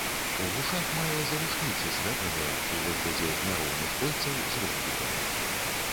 У вушах мае завушніцы срэбраныя ў выглядзе няроўных кольцаў з ромбікамі.